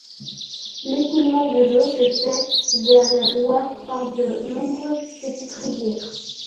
L'écoulement des eaux se fait vers la Loire par de nombreuses petites rivières.